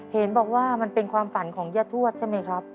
เห็นบอกว่ามันเป็นความฝันของย่าทวดใช่ไหมครับ